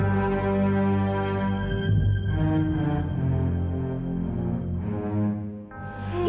kamu nulis apa tadi